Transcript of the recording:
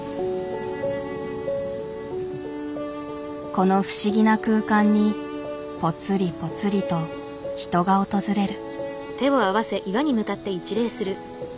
この不思議な空間にぽつりぽつりと人が訪れる。